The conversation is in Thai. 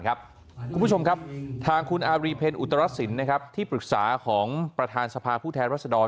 คุณผู้ชมครับทางคุณอารีเพลอุตรสินที่ปรึกษาของประธานสภาผู้แทนรัศดร